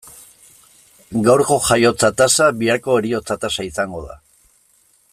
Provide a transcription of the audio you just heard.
Gaurko jaiotza tasa biharko heriotza tasa izango da.